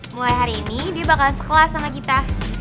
mulai hari ini dia bakal sekelas sama kita